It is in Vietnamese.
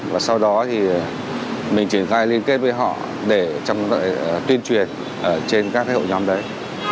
và sau đó mình triển khai liên kết với họ để tuyên truyền trên các hội nhóm đấy